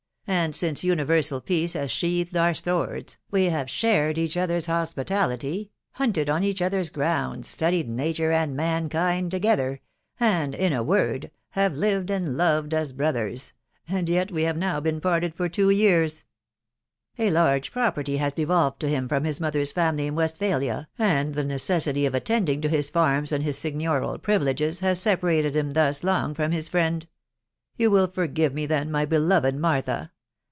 and since universal .peace has sheathed our swords, we have shared each other's hospitality, hunted oh each other's grounds, studied nature and mankind together, and, in a word, have lived and loved as brothers, .... and yet we have now been parted for two yean. tA large property has devolved to him from his mother's family in Westphalia, and the necessity of attending to his farms and .his signioral privileges, has separated him thus long from his friend. You will forgive me, then, my beloved Martha